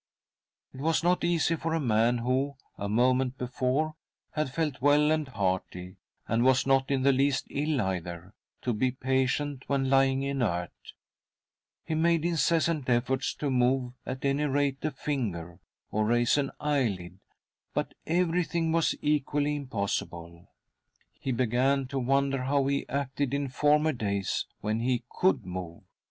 /. .It was not easy for a man who, a moment before, ~.'. ■■p 42 THY SOUL SHALL BEAR WITNESS 1 had felt well and hearty, and was not in the least ill either, to be patient when lying inert. He made incessant efforts' to move &l any rate a finger, or raise an eyelid, but everything was equally impossible ! He began to wonder how he acted in former days when he could move.